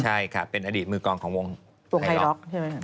ใช่ค่ะเป็นอดีตมือกองของวงไฮล็อกใช่ไหม